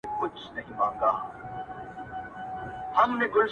خو دې زما د مرگ د اوازې پر بنسټ